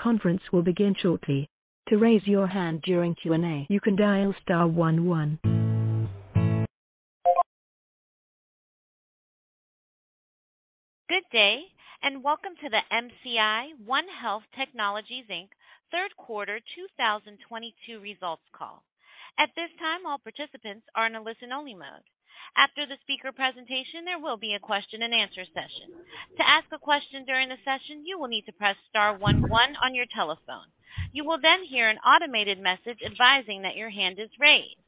The conference will begin shortly. To raise your hand during Q&A, you can dial star one one. Good day and welcome to the MCI OneHealth Technologies Inc. third quarter 2022 results call. At this time, all participants are in a listen-only mode. After the speaker presentation, there will be a question-and-answer session. To ask a question during the session, you will need to press star one one on your telephone. You will then hear an automated message advising that your hand is raised.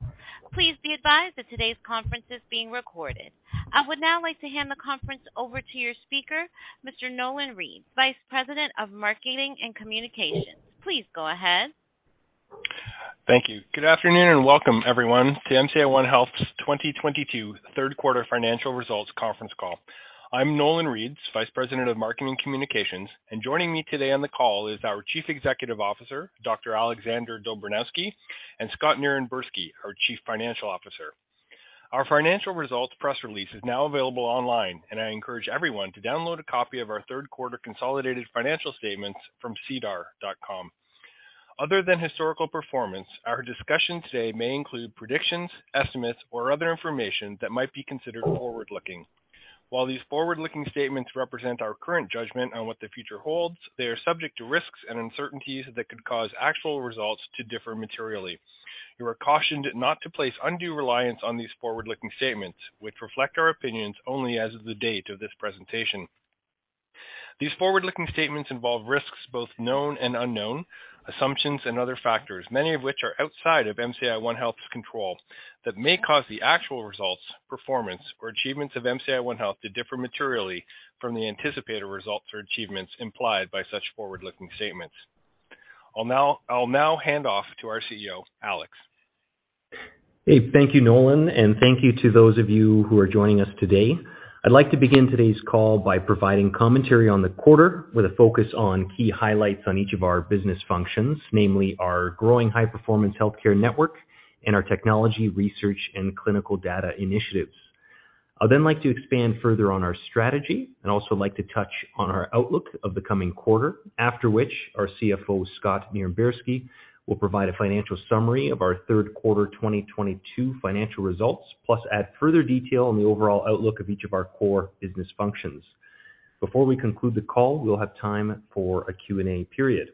Please be advised that today's conference is being recorded. I would now like to hand the conference over to your speaker, Mr. Nolan Reeds, Vice President of Marketing and Communications. Please go ahead. Thank you. Good afternoon, and welcome everyone to MCI OneHealth's 2022 third quarter financial results conference call. I'm Nolan Reeds, Vice President of Marketing and Communications, and joining me today on the call is our Chief Executive Officer, Dr. Alexander Dobranowski, and Scott Nirenberski, our Chief Financial Officer. Our financial results press release is now available online, and I encourage everyone to download a copy of our third quarter consolidated financial statements from SEDAR+. Other than historical performance, our discussion today may include predictions, estimates, or other information that might be considered forward-looking. While these forward-looking statements represent our current judgment on what the future holds, they are subject to risks and uncertainties that could cause actual results to differ materially. You are cautioned not to place undue reliance on these forward-looking statements, which reflect our opinions only as of the date of this presentation. These forward-looking statements involve risks, both known and unknown, assumptions and other factors, many of which are outside of MCI OneHealth's control, that may cause the actual results, performance, or achievements of MCI OneHealth to differ materially from the anticipated results or achievements implied by such forward-looking statements. I'll now hand off to our CEO, Alex. Hey. Thank you, Nolan, and thank you to those of you who are joining us today. I'd like to begin today's call by providing commentary on the quarter with a focus on key highlights on each of our business functions, namely our growing high-performance healthcare network and our technology research and clinical data initiatives. I'd then like to expand further on our strategy and also like to touch on our outlook of the coming quarter. After which, our CFO, Scott Nirenberski, will provide a financial summary of our third quarter 2022 financial results, plus add further detail on the overall outlook of each of our core business functions. Before we conclude the call, we'll have time for a Q&A period.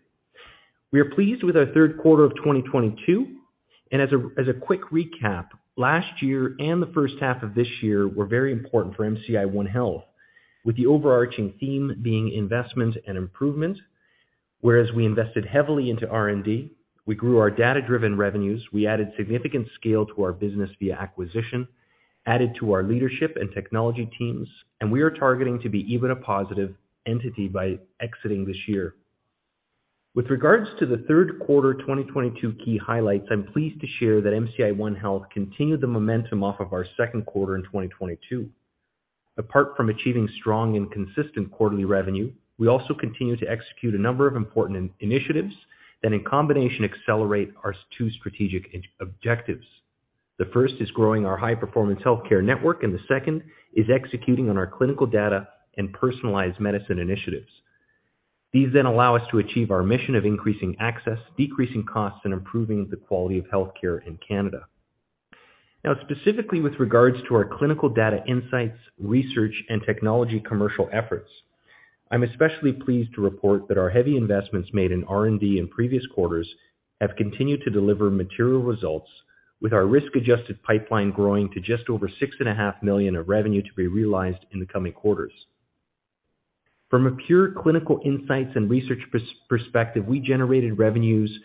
We are pleased with our third quarter of 2022, and as a quick recap, last year and the first half of this year were very important for MCI OneHealth, with the overarching theme being investment and improvement. Whereas we invested heavily into R&D, we grew our data-driven revenues, we added significant scale to our business via acquisition, added to our leadership and technology teams, and we are targeting to be even a positive entity by exiting this year. With regards to the third quarter 2022 key highlights, I'm pleased to share that MCI OneHealth continued the momentum off of our second quarter in 2022. Apart from achieving strong and consistent quarterly revenue, we also continue to execute a number of important initiatives that in combination accelerate our two strategic objectives. The first is growing our high-performance healthcare network, and the second is executing on our clinical data and personalized medicine initiatives. These then allow us to achieve our mission of increasing access, decreasing costs, and improving the quality of healthcare in Canada. Now, specifically with regards to our clinical data insights, research, and technology commercial efforts, I'm especially pleased to report that our heavy investments made in R&D in previous quarters have continued to deliver material results with our risk-adjusted pipeline growing to just over 6.5 million of revenue to be realized in the coming quarters. From a pure clinical insights and research perspective, we generated revenues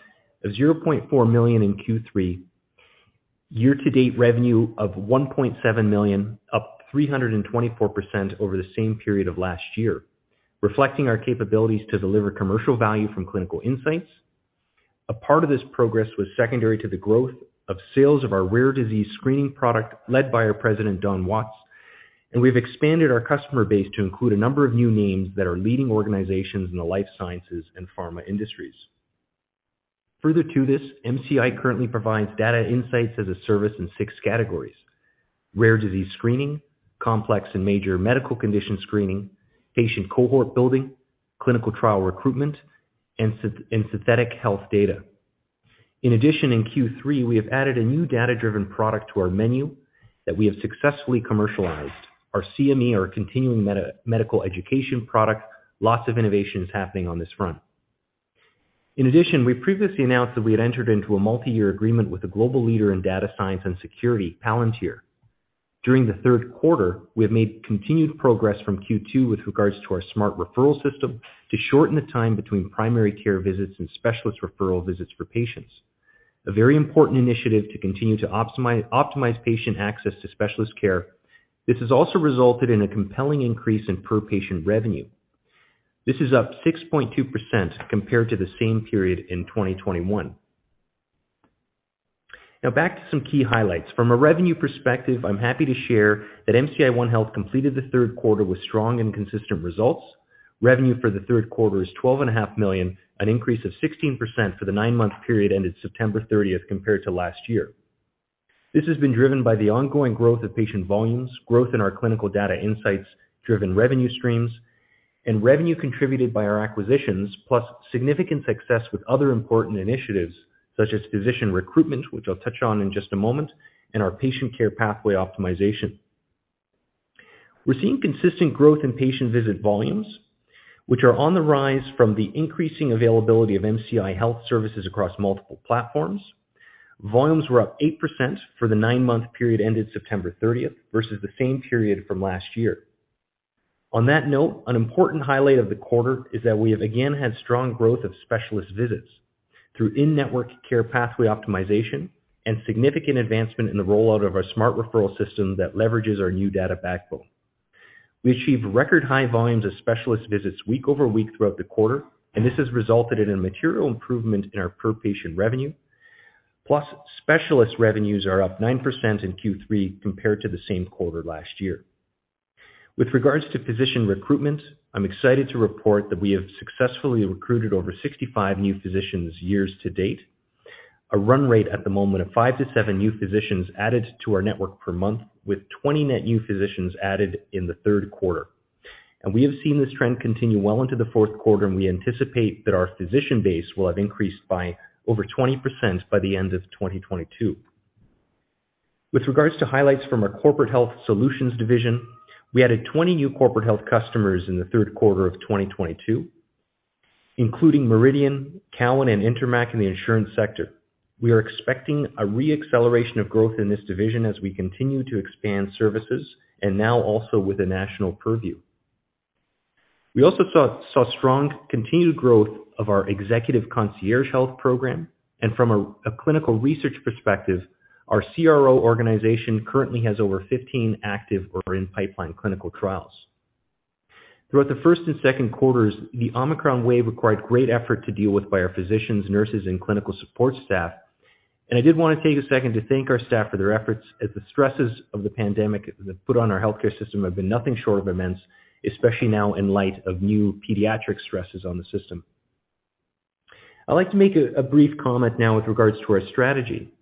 of 0.4 million in Q3. Year to date revenue of 1.7 million, up 324% over the same period of last year, reflecting our capabilities to deliver commercial value from clinical insights. A part of this progress was secondary to the growth of sales of our rare disease screening product led by our president, Don Watts. We've expanded our customer base to include a number of new names that are leading organizations in the life sciences and pharma industries. Further to this, MCI currently provides data insights as a service in six categories, rare disease screening, complex and major medical condition screening, patient cohort building, clinical trial recruitment, and synthetic health data. In addition, in Q3, we have added a new data-driven product to our menu that we have successfully commercialized, our CME, our Continuing Medical Education product. Lots of innovations happening on this front. In addition, we previously announced that we had entered into a multi-year agreement with a global leader in data science and security, Palantir. During the third quarter, we have made continued progress from Q2 with regards to our smart referral system to shorten the time between primary care visits and specialist referral visits for patients. A very important initiative to continue to optimize patient access to specialist care. This has also resulted in a compelling increase in per-patient revenue. This is up 6.2% compared to the same period in 2021. Now back to some key highlights. From a revenue perspective, I'm happy to share that MCI OneHealth completed the third quarter with strong and consistent results. Revenue for the third quarter is twelve and a half million, an increase of 16% for the nine-month period ended September thirtieth compared to last year. This has been driven by the ongoing growth of patient volumes, growth in our clinical data insights driven revenue streams, and revenue contributed by our acquisitions, plus significant success with other important initiatives such as physician recruitment, which I'll touch on in just a moment, and our patient care pathway optimization. We're seeing consistent growth in patient visit volumes, which are on the rise from the increasing availability of MCI OneHealth across multiple platforms. Volumes were up 8% for the nine-month period ended September thirtieth versus the same period from last year. On that note, an important highlight of the quarter is that we have again had strong growth of specialist visits through in-network care pathway optimization and significant advancement in the rollout of our smart referral system that leverages our new data backbone. We achieved record high volumes of specialist visits week over week throughout the quarter, and this has resulted in a material improvement in our per-patient revenue. Plus, specialist revenues are up 9% in Q3 compared to the same quarter last year. With regards to physician recruitment, I'm excited to report that we have successfully recruited over 65 new physicians year to date. A run rate at the moment of 5-7 new physicians added to our network per month, with 20 net new physicians added in the third quarter. We have seen this trend continue well into the fourth quarter, and we anticipate that our physician base will have increased by over 20% by the end of 2022. With regards to highlights from our corporate health solutions division, we added 20 new corporate health customers in the third quarter of 2022, including Meridian, Cowan, and Intermap in the insurance sector. We are expecting a re-acceleration of growth in this division as we continue to expand services and now also with a national purview. We also saw strong continued growth of our executive medical concierge. From a clinical research perspective, our CRO organization currently has over 15 active or in-pipeline clinical trials. Throughout the first and second quarters, the Omicron wave required great effort to deal with by our physicians, nurses, and clinical support staff. I did wanna take a second to thank our staff for their efforts as the stresses of the pandemic that put on our healthcare system have been nothing short of immense, especially now in light of new pediatric stresses on the system. I'd like to make a brief comment now with regards to our strategy.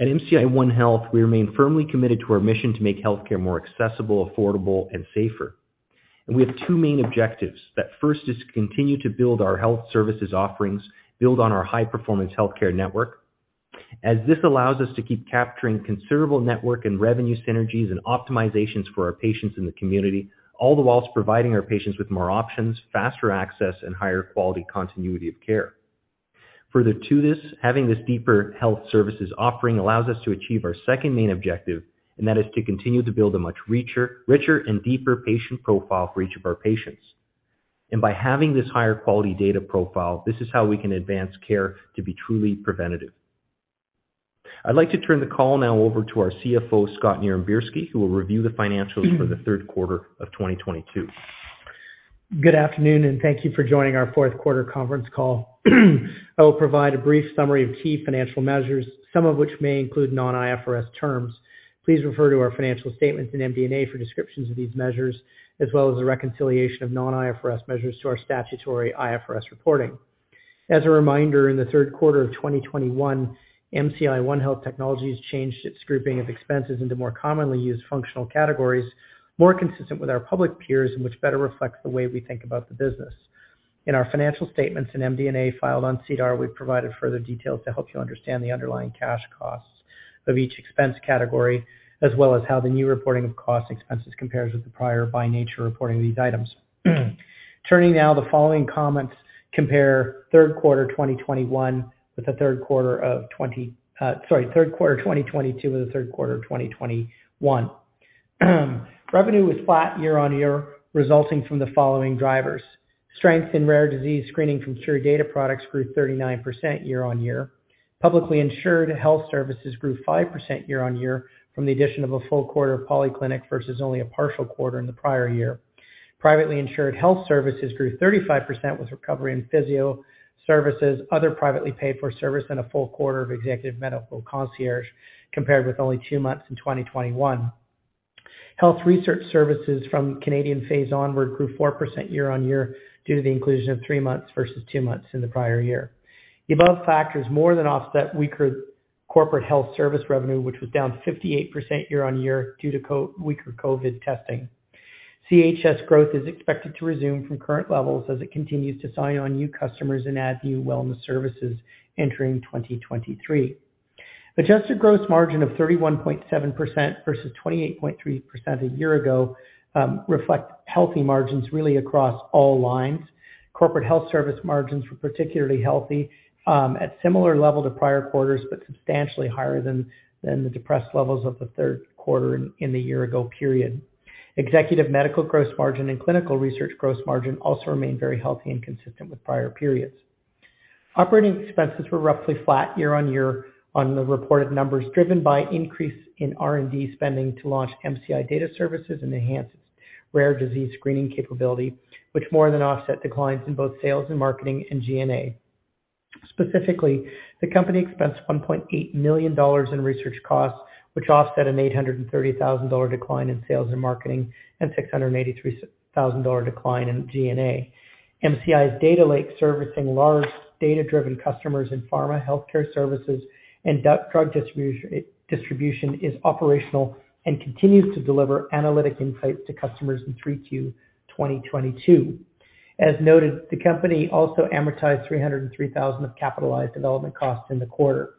At MCI OneHealth, we remain firmly committed to our mission to make healthcare more accessible, affordable, and safer. We have two main objectives. The first is to continue to build our health services offerings, build on our high-performance healthcare network, as this allows us to keep capturing considerable network and revenue synergies and optimizations for our patients in the community, all the while providing our patients with more options, faster access, and higher quality continuity of care. Further to this, having this deeper health services offering allows us to achieve our second main objective, and that is to continue to build a much richer and deeper patient profile for each of our patients. By having this higher quality data profile, this is how we can advance care to be truly preventative. I'd like to turn the call now over to our CFO, Scott Nirenberski, who will review the financials for the third quarter of 2022. Good afternoon, and thank you for joining our fourth quarter conference call. I will provide a brief summary of key financial measures, some of which may include non-IFRS terms. Please refer to our financial statements in MD&A for descriptions of these measures, as well as a reconciliation of non-IFRS measures to our statutory IFRS reporting. As a reminder, in the third quarter of 2021, MCI OneHealth Technologies changed its grouping of expenses into more commonly used functional categories, more consistent with our public peers, and which better reflects the way we think about the business. In our financial statements in MD&A filed on SEDAR, we've provided further details to help you understand the underlying cash costs of each expense category, as well as how the new reporting of cost expenses compares with the prior, by nature, reporting of these items. Turning now, the following comments compare third quarter 2021 with the third quarter of 2022 with the third quarter of 2021. Revenue was flat year-on-year, resulting from the following drivers. Strength in rare disease screening from Khure products grew 39% year-on-year. Publicly insured health services grew 5% year-on-year from the addition of a full quarter of Polyclinic versus only a partial quarter in the prior year. Privately insured health services grew 35%, with recovery in physio services, other privately paid for service, and a full quarter of executive medical concierge, compared with only two months in 2021. Health research services from Canadian Phase Onward grew 4% year-on-year due to the inclusion of three months versus two months in the prior year. The above factors more than offset weaker corporate health service revenue, which was down 58% year-on-year due to weaker COVID testing. CHS growth is expected to resume from current levels as it continues to sign on new customers and add new wellness services entering 2023. Adjusted gross margin of 31.7% versus 28.3% a year ago reflect healthy margins really across all lines. Corporate health service margins were particularly healthy at similar level to prior quarters, but substantially higher than the depressed levels of the third quarter in the year-ago period. Executive medical gross margin and clinical research gross margin also remained very healthy and consistent with prior periods. Operating expenses were roughly flat year on year on the reported numbers, driven by increase in R&D spending to launch MCI Data Services and enhance its rare disease screening capability, which more than offset declines in both sales and marketing and G&A. Specifically, the company expensed 1.8 million dollars in research costs, which offset a 830,000 dollar decline in sales and marketing and 683,000 dollar decline in G&A. MCI's data lake servicing large data-driven customers in pharma, health care services, and drug distribution is operational and continues to deliver analytic insights to customers in 3Q 2022. As noted, the company also amortized 303,000 of capitalized development costs in the quarter.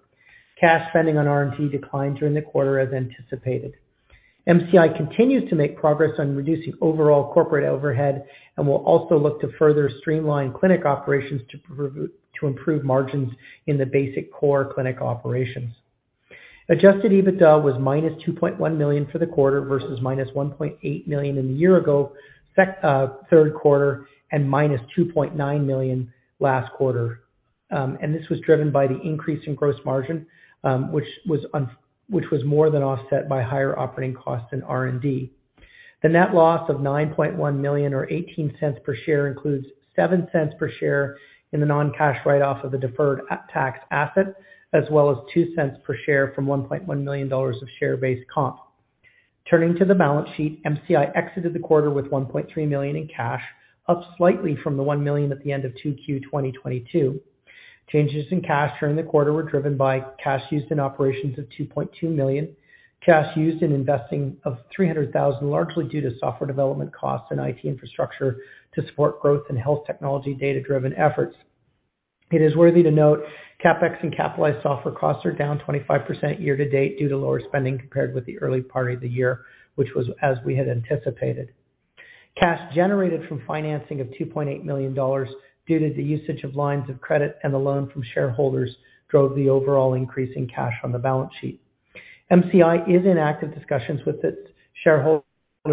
Cash spending on R&D declined during the quarter as anticipated. MCI continues to make progress on reducing overall corporate overhead and will also look to further streamline clinic operations to improve margins in the basic core clinic operations. Adjusted EBITDA was -2.1 million for the quarter versus -1.8 million in the year-ago third quarter and -2.9 million last quarter. This was driven by the increase in gross margin, which was more than offset by higher operating costs in R&D. The net loss of 9.1 million or 0.18 per share includes 0.07 per share in the non-cash write-off of the deferred tax asset, as well as 0.02 per share from 1.1 million dollars of share-based comp. Turning to the balance sheet, MCI exited the quarter with 1.3 million in cash, up slightly from the 1 million at the end of 2Q 2022. Changes in cash during the quarter were driven by cash used in operations of 2.2 million. Cash used in investing of 300,000, largely due to software development costs and IT infrastructure to support growth in health technology data-driven efforts. It is worth noting, CapEx and capitalized software costs are down 25% year to date due to lower spending compared with the early part of the year, which was as we had anticipated. Cash generated from financing of 2.8 million dollars due to the usage of lines of credit and the loan from shareholders drove the overall increase in cash on the balance sheet. MCI is in active discussions with its shareholder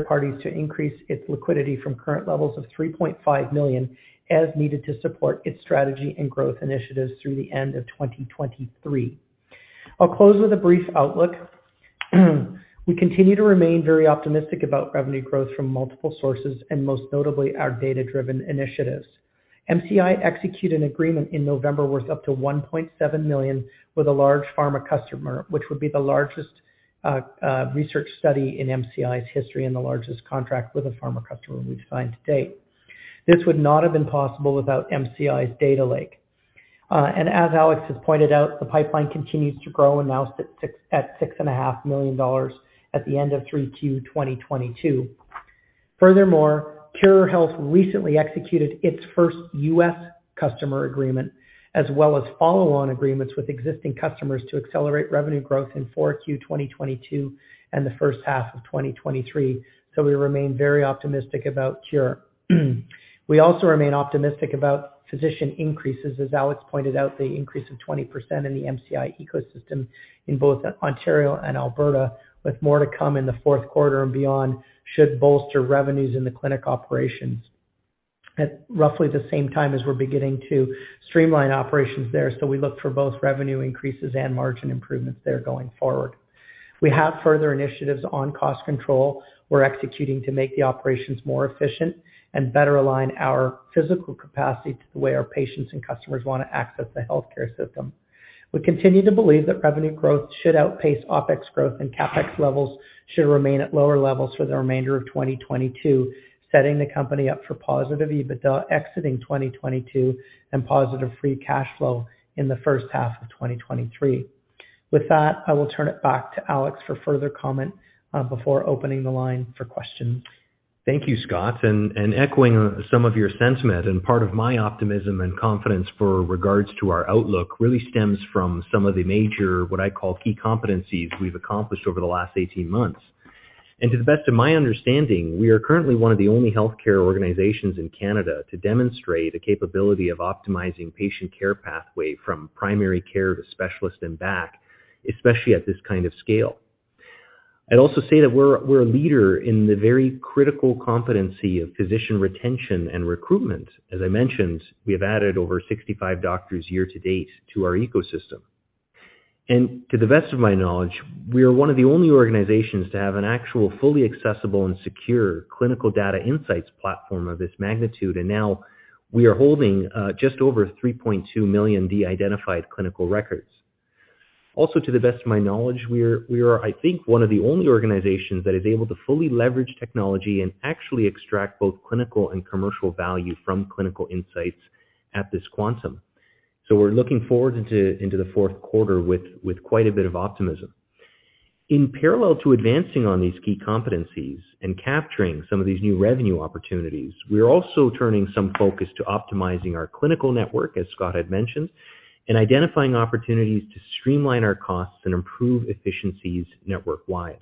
parties to increase its liquidity from current levels of 3.5 million as needed to support its strategy and growth initiatives through the end of 2023. I'll close with a brief outlook. We continue to remain very optimistic about revenue growth from multiple sources and most notably our data-driven initiatives. MCI executed an agreement in November worth up to 1.7 million with a large pharma customer, which would be the largest research study in MCI's history and the largest contract with a pharma customer we've signed to date. This would not have been possible without MCI's data lake. As Alex has pointed out, the pipeline continues to grow and now at 6.5 million dollars at the end of 3Q 2022. Furthermore, Khure Health recently executed its first U.S. customer agreement, as well as follow-on agreements with existing customers to accelerate revenue growth in Q4 2022 and the first half of 2023. We remain very optimistic about Cure. We also remain optimistic about physician increases. As Alex pointed out, the increase of 20% in the MCI ecosystem in both Ontario and Alberta, with more to come in the fourth quarter and beyond, should bolster revenues in the clinic operations at roughly the same time as we're beginning to streamline operations there. We look for both revenue increases and margin improvements there going forward. We have further initiatives on cost control we're executing to make the operations more efficient and better align our physical capacity to the way our patients and customers want to access the healthcare system. We continue to believe that revenue growth should outpace OpEx growth and CapEx levels should remain at lower levels for the remainder of 2022, setting the company up for positive EBITDA exiting 2022 and positive free cash flow in the first half of 2023. With that, I will turn it back to Alex for further comment, before opening the line for questions. Thank you, Scott, and echoing some of your sentiment and part of my optimism and confidence with regard to our outlook really stems from some of the major, what I call key competencies we've accomplished over the last 18 months. To the best of my understanding, we are currently one of the only healthcare organizations in Canada to demonstrate a capability of optimizing patient care pathway from primary care to specialist and back, especially at this kind of scale. I'd also say that we're a leader in the very critical competency of physician retention and recruitment. As I mentioned, we have added over 65 doctors year to date to our ecosystem. To the best of my knowledge, we are one of the only organizations to have an actual fully accessible and secure clinical data insights platform of this magnitude. Now we are holding just over 3.2 million de-identified clinical records. Also, to the best of my knowledge, we are I think one of the only organizations that is able to fully leverage technology and actually extract both clinical and commercial value from clinical insights at this quantum. So we're looking forward into the fourth quarter with quite a bit of optimism. In parallel to advancing on these key competencies and capturing some of these new revenue opportunities, we are also turning some focus to optimizing our clinical network, as Scott had mentioned, and identifying opportunities to streamline our costs and improve efficiencies network-wide.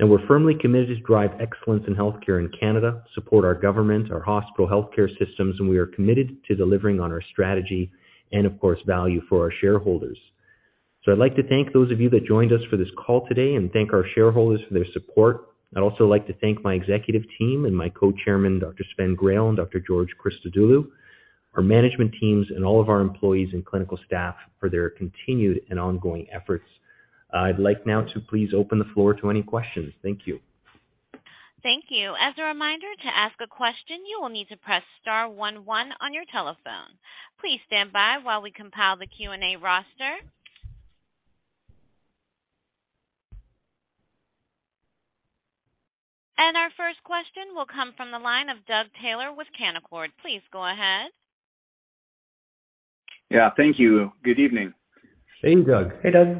We're firmly committed to drive excellence in healthcare in Canada, support our government, our hospital healthcare systems, and we are committed to delivering on our strategy and of course, value for our shareholders. I'd like to thank those of you that joined us for this call today and thank our shareholders for their support. I'd also like to thank my executive team and my co-chairman, Dr. Sven Grail and Dr. George Christodoulou, our management teams, and all of our employees and clinical staff for their continued and ongoing efforts. I'd like now to please open the floor to any questions. Thank you. Thank you. As a reminder, to ask a question, you will need to press star one one on your telephone. Please stand by while we compile the Q&A roster. Our first question will come from the line of Doug Taylor with Canaccord Genuity. Please go ahead. Yeah. Thank you. Good evening. Thanks, Doug. Hey, Doug.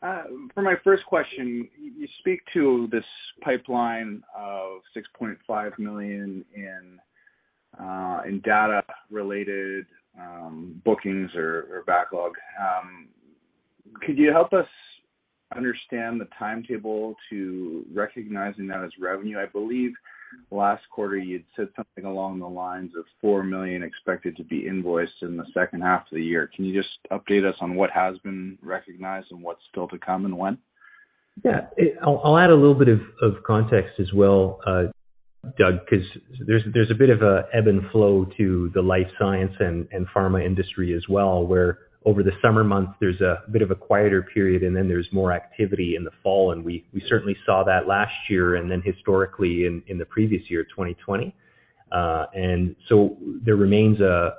For my first question, you speak to this pipeline of 6.5 million in data related bookings or backlog. Could you help us understand the timetable to recognizing that as revenue? I believe last quarter you'd said something along the lines of 4 million expected to be invoiced in the second half of the year. Can you just update us on what has been recognized and what's still to come and when? I'll add a little bit of context as well, Doug, 'cause there's a bit of an ebb and flow to the life science and pharma industry as well, where over the summer months there's a bit of a quieter period and then there's more activity in the fall. We certainly saw that last year and then historically in the previous year, 2020. There remains a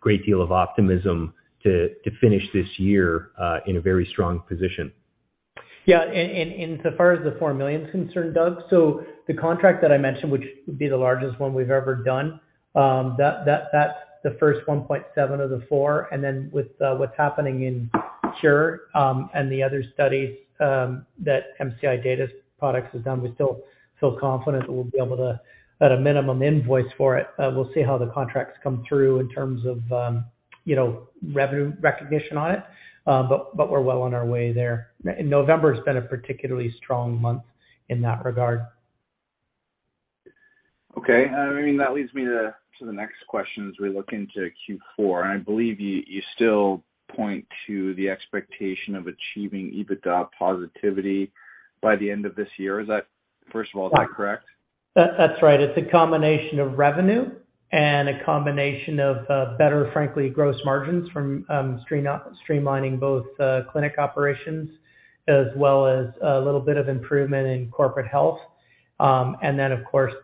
great deal of optimism to finish this year in a very strong position. Yeah. So far as the 4 million is concerned, Doug, the contract that I mentioned, which would be the largest one we've ever done, that's the first 1.7 million of the 4 million. Then with what's happening in Khure, and the other studies that MCI Data Products has done, we still feel confident that we'll be able to, at a minimum, invoice for it. We'll see how the contracts come through in terms of, you know, revenue recognition on it. But we're well on our way there. November has been a particularly strong month in that regard. Okay. I mean, that leads me to the next question as we look into Q4, and I believe you still point to the expectation of achieving EBITDA positivity by the end of this year. Is that, first of all, correct? That's right. It's a combination of revenue and a combination of better, frankly, gross margins from streamlining both clinic operations as well as a little bit of improvement in corporate health. Of course,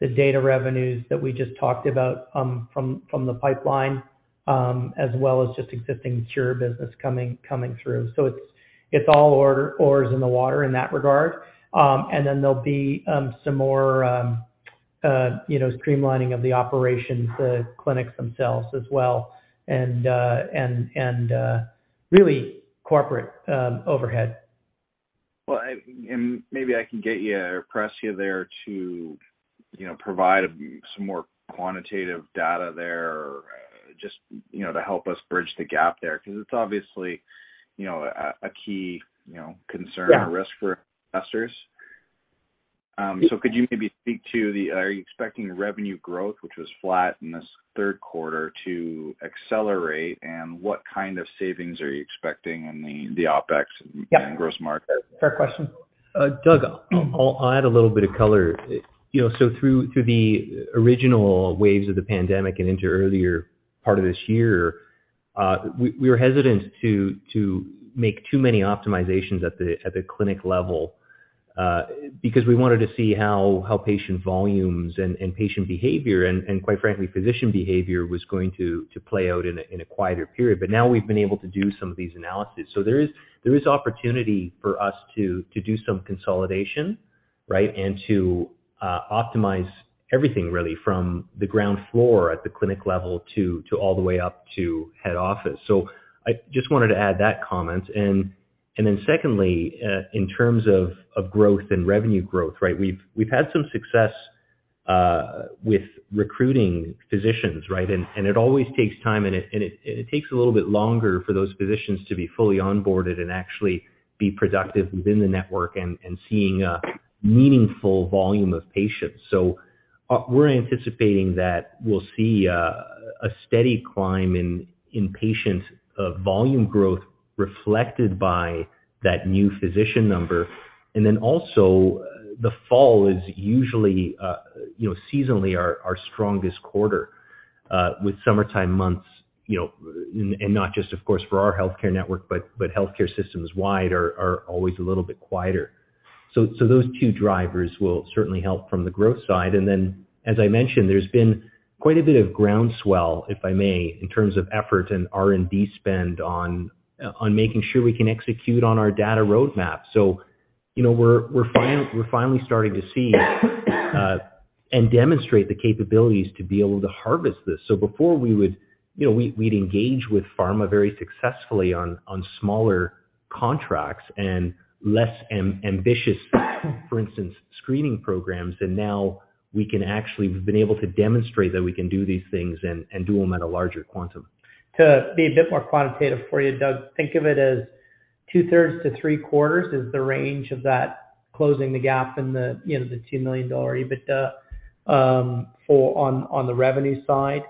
the data revenues that we just talked about from the pipeline as well as just existing Khure business coming through. It's all oars in the water in that regard. There'll be some more you know streamlining of the operations, the clinics themselves as well, and really corporate overhead. Well, maybe I can get you or press you there to, you know, provide some more quantitative data there or just, you know, to help us bridge the gap there, 'cause it's obviously, you know, a key, you know, concern. Yeah. risk for investors. Could you maybe speak to, are you expecting revenue growth, which was flat in this third quarter to accelerate, and what kind of savings are you expecting in the OpEx? Yeah. gross margin? Fair question. Doug, I'll add a little bit of color. You know, through the original waves of the pandemic and into earlier part of this year, we were hesitant to make too many optimizations at the clinic level, because we wanted to see how patient volumes and patient behavior and quite frankly, physician behavior was going to play out in a quieter period. Now we've been able to do some of these analyses. There is opportunity for us to do some consolidation, right? To optimize everything really from the ground floor at the clinic level to all the way up to head office. I just wanted to add that comment. Then secondly, in terms of growth and revenue growth, right? We've had some success with recruiting physicians, right? It always takes time and it takes a little bit longer for those physicians to be fully onboarded and actually be productive within the network and seeing a meaningful volume of patients. We're anticipating that we'll see a steady climb in patient volume growth reflected by that new physician number. Also the fall is usually, you know, seasonally our strongest quarter with summertime months, you know, and not just of course for our healthcare network, but healthcare systems wide are always a little bit quieter. Those two drivers will certainly help from the growth side. As I mentioned, there's been quite a bit of groundswell, if I may, in terms of effort and R&D spend on making sure we can execute on our data roadmap. You know, we're finally starting to see and demonstrate the capabilities to be able to harvest this. Before we would, you know, we'd engage with pharma very successfully on smaller contracts and less ambitious, for instance, screening programs. Now we can actually, we've been able to demonstrate that we can do these things and do them at a larger quantum. To be a bit more quantitative for you, Doug, think of it as two-thirds to three-quarters is the range of that closing the gap in the, you know, the 2 million dollar EBITDA, on the revenue side.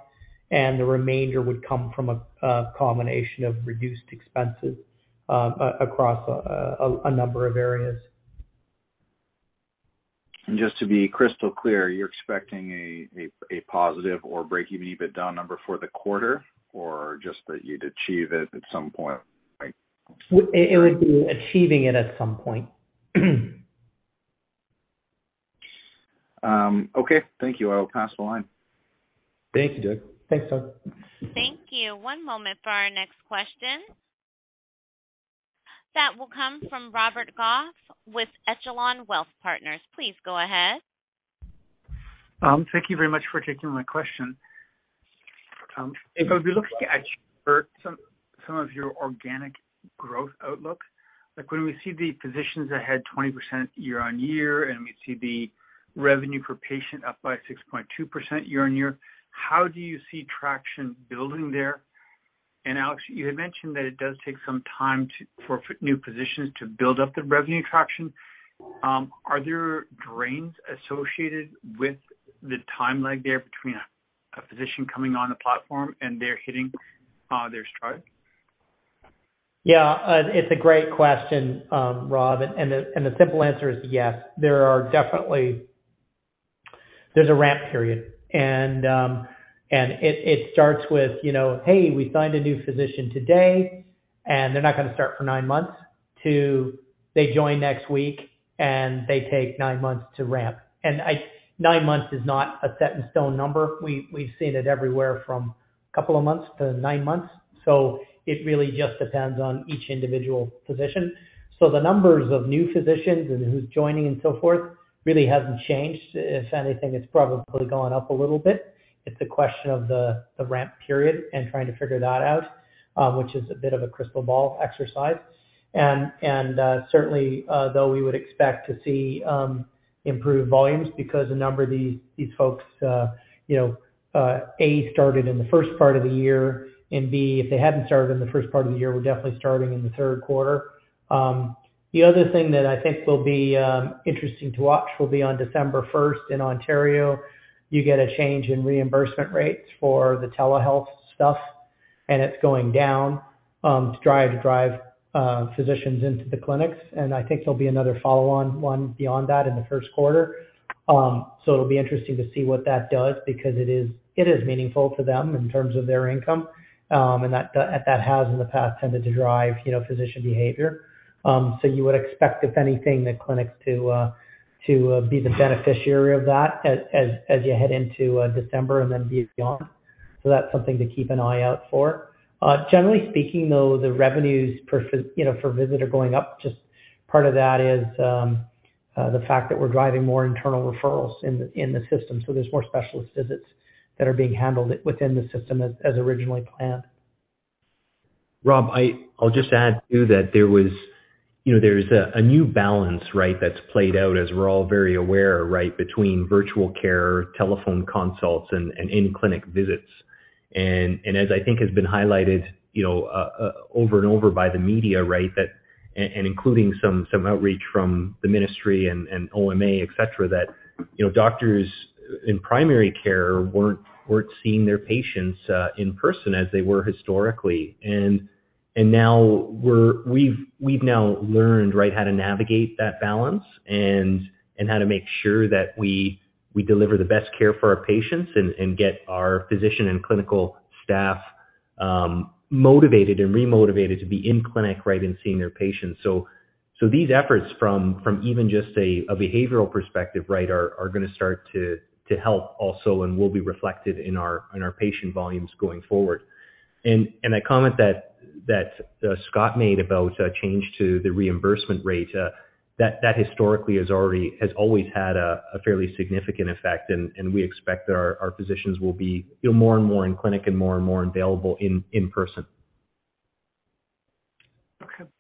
The remainder would come from a combination of reduced expenses, across a number of areas. Just to be crystal clear, you're expecting a positive or breakeven EBITDA number for the quarter or just that you'd achieve it at some point, like? It would be achieving it at some point. Okay. Thank you. I will pass the line. Thank you, Doug. Thanks, Doug. Thank you. One moment for our next question. That will come from Robert Goff with Echelon Wealth Partners. Please go ahead. Thank you very much for taking my question. If I would be looking at some of your organic growth outlook, like when we see the physicians ahead 20% year-on-year, and we see the revenue per patient up by 6.2% year-on-year, how do you see traction building there? Alex, you had mentioned that it does take some time for new physicians to build up the revenue traction. Are there drags associated with the time lag there between a physician coming on the platform and they're hitting their stride? Yeah. It's a great question, Rob, and the simple answer is yes. There's a ramp period. It starts with, you know, "Hey, we signed a new physician today, and they're not gonna start for nine months," to, "They join next week, and they take nine months to ramp." Nine months is not a set in stone number. We've seen it everywhere from couple of months to nine months. It really just depends on each individual physician. The numbers of new physicians and who's joining and so forth really hasn't changed. If anything, it's probably gone up a little bit. It's a question of the ramp period and trying to figure that out, which is a bit of a crystal ball exercise. Certainly though we would expect to see improved volumes because a number of these folks you know A started in the first part of the year and B if they hadn't started in the first part of the year were definitely starting in the third quarter. The other thing that I think will be interesting to watch will be on December first in Ontario. You get a change in reimbursement rates for the telehealth stuff and it's going down to try to drive physicians into the clinics. I think there'll be another follow on one beyond that in the first quarter. It'll be interesting to see what that does because it is meaningful to them in terms of their income, and that has in the past tended to drive, you know, physician behavior. You would expect, if anything, the clinics to be the beneficiary of that as you head into December and then beyond. That's something to keep an eye out for. Generally speaking, though, the revenues per visit, you know, are going up. Just part of that is the fact that we're driving more internal referrals in the system, so there's more specialist visits that are being handled within the system as originally planned. Rob, I'll just add to that. You know, there's a new balance, right? That's played out, as we're all very aware, right? Between virtual care, telephone consults, and in-clinic visits. As I think has been highlighted, you know, over and over by the media, right, that, and including some outreach from the ministry and OMA, et cetera, that, you know, doctors in primary care weren't seeing their patients in person as they were historically. Now we've learned, right, how to navigate that balance and how to make sure that we deliver the best care for our patients and get our physician and clinical staff motivated and re-motivated to be in clinic, right, and seeing their patients. These efforts from even just a behavioral perspective, right, are gonna start to help also and will be reflected in our patient volumes going forward. A comment that Scott made about a change to the reimbursement rate that historically has always had a fairly significant effect, and we expect that our physicians will be, you know, more and more in clinic and more and more available in person. Okay.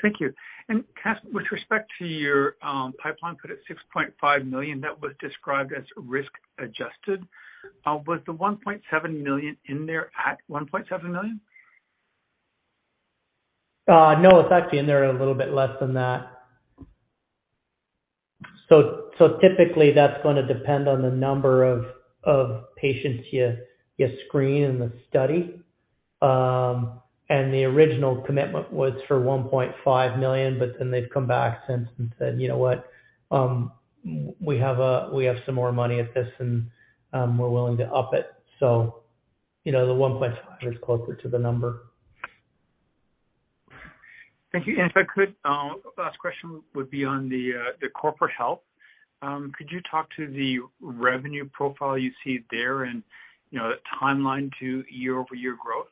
Thank you. Cass, with respect to your pipeline put at 6.5 million, that was described as risk adjusted. Was the 1.7 million in there at 1.7 million? No, it's actually in there a little bit less than that. Typically, that's gonna depend on the number of patients you screen in the study. The original commitment was for 1.5 million, but then they've come back since and said, "You know what? We have some more money at this, and we're willing to up it." You know, the 1.5 is closer to the number. Thank you. If I could, last question would be on the corporate health. Could you talk to the revenue profile you see there and, you know, the timeline to year-over-year growth?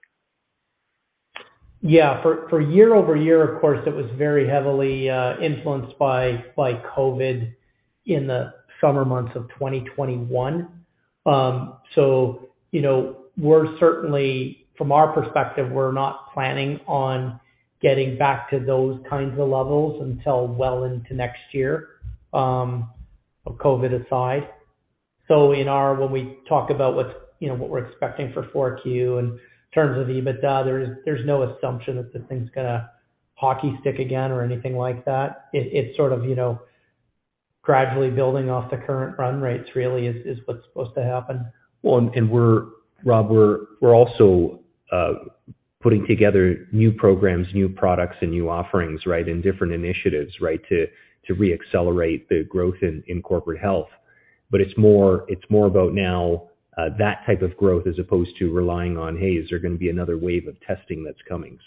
Yeah. For year-over-year, of course, it was very heavily influenced by COVID in the summer months of 2021. You know, we're certainly, from our perspective, we're not planning on getting back to those kinds of levels until well into next year, COVID aside. When we talk about what we're expecting for Q4 in terms of EBITDA, there's no assumption that the thing's gonna hockey stick again or anything like that. It's sort of, you know, gradually building off the current run rates really is what's supposed to happen. Rob, we're also putting together new programs, new products and new offerings, right, and different initiatives, right, to re-accelerate the growth in corporate health. It's more about now that type of growth as opposed to relying on, hey, is there gonna be another wave of testing that's coming.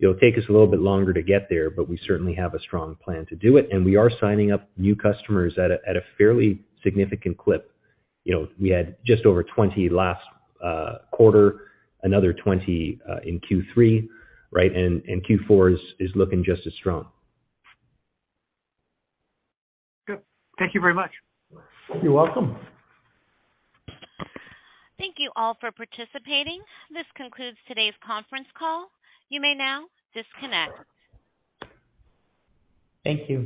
It'll take us a little bit longer to get there, but we certainly have a strong plan to do it, and we are signing up new customers at a fairly significant clip. You know, we had just over 20 last quarter, another 20 in Q3, right? Q4 is looking just as strong. Good. Thank you very much. You're welcome. Thank you all for participating. This concludes today's conference call. You may now disconnect. Thank you.